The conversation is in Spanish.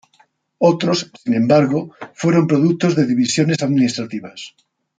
Otros, sin embargo, fueron productos de divisiones administrativas.